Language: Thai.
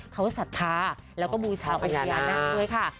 เขาสัทธาแล้วก็บูชาวอเยียร์นักด้วยค่ะ